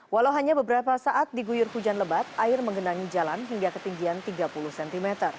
walau hanya beberapa saat diguyur hujan lebat air menggenangi jalan hingga ketinggian tiga puluh cm